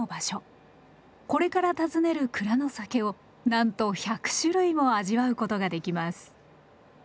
これから訪ねる蔵の酒をなんと１００種類も味わうことができます。